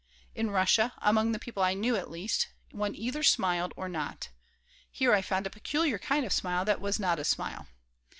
In Russia, among the people I knew, at least, one either smiled or not. here I found a peculiar kind of smile that was not a smile.